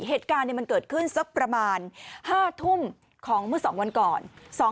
เหตุการณ์มันเกิดขึ้นสักประมาณ๕ทุ่มของเมื่อ๒วันก่อน